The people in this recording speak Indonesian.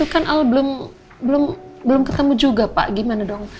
kan al belum ketemu juga pak gimana dong